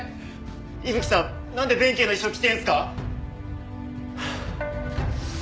伊吹さんなんで弁慶の衣装着てるんですか？